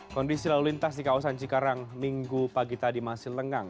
kondisi lalu lintas di kawasan cikarang minggu pagi tadi masih lengang